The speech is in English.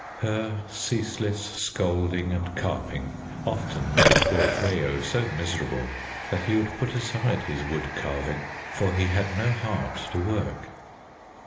Her ceaseless scolding and carping often made poor Freyo so miserable that he would put aside his wood carving, for he had no heart to work.